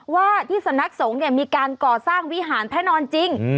ว่าที่สำนักสงฆ์เนี่ยมีการก่อสร้างวิหารพระนอนจริง